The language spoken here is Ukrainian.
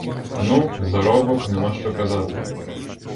Ну, заробок, нема що казати!